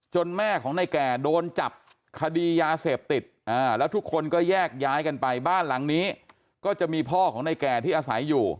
แม่ของในแก่โดนจับคดียาเสพติดแล้วทุกคนก็แยกย้ายกันไปบ้านหลังนี้ก็จะมีพ่อของในแก่ที่อาศัยอยู่